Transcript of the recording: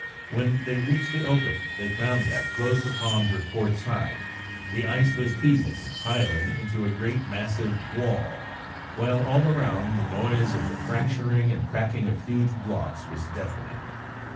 When they reached the open they found that, close upon her port side, the ice was heaving and piling up into a great massive wall, while all around the noise of the fracturing and cracking of huge blocks was deafening.